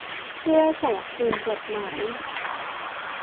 เพื่อส่งคืนจดหมาย